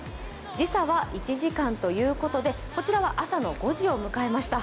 時差は１時間ということでこちらは朝の５時を迎えました。